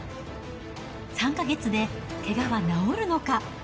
３か月でけがは治るのか。